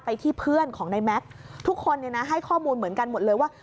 ที่เพื่อนของนายแม็กซ์ทุกคนเนี่ยนะให้ข้อมูลเหมือนกันหมดเลยว่า